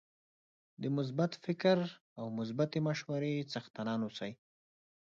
د مثبت فکر او مثبتې مشورې څښتنان اوسئ